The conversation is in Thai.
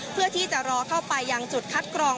เพื่อที่จะรอเข้าไปยังจุดคัดกรอง